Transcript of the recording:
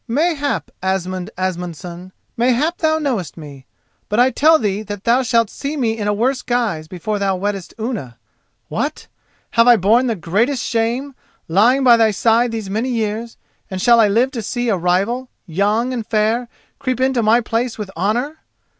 "Mayhap, Asmund Asmundson—mayhap, thou knowest me; but I tell thee that thou shalt see me in a worse guise before thou weddest Unna. What! have I borne the greatest shame, lying by thy side these many years, and shall I live to see a rival, young and fair, creep into my place with honour?